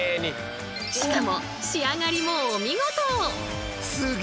しかも仕上がりもお見事！